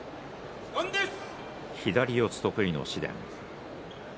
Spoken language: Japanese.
左四つ得意の紫雷。